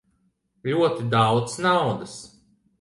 Ļoti daudz naudas.